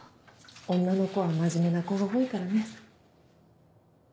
女の子は真面目な子が多いからね。